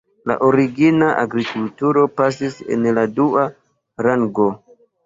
La origina agrikulturo pasis en la dua rango.